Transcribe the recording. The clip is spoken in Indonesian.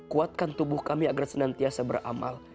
kuatkan tubuh kami agar senantiasa beramal